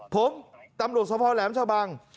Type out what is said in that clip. ผมตำรวจสภาวินแหลมชาวบัง